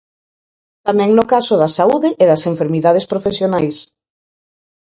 Tamén no caso da saúde e das enfermidades profesionais.